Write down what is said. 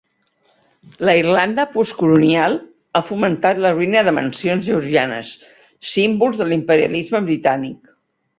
La Irlanda postcolonial ha fomentat la ruïna de mansions georgianes, símbols de l'imperialisme britànic.